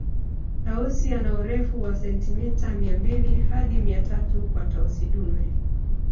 Tausi ana urefu wa sentimeta mia mbili hadi mia tatu kwa Tausi dume